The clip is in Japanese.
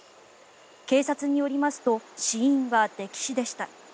警察によりますと死因は溺死でした。